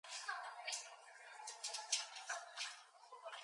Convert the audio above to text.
The castle is surrounded by moats.